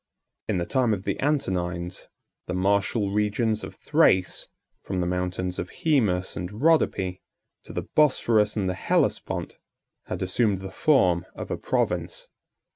In the time of the Antonines, the martial regions of Thrace, from the mountains of Hæmus and Rhodope, to the Bosphorus and the Hellespont, had assumed the form of a province.